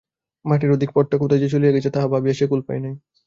মাঠের ওদিকে পথটা কোথায় যে চলিয়া গিয়াছে তা ভাবিয়া সে কুল পায় নাই।